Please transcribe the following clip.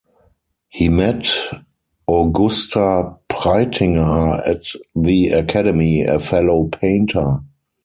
He met Augusta Preitinger at the Academy, a fellow painter.